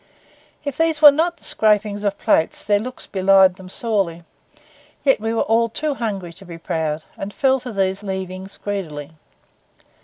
If these were not the scrapings of plates their looks belied them sorely; yet we were all too hungry to be proud, and fell to these leavings greedily.